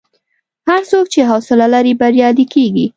هر څوک چې حوصله لري، بریالی کېږي.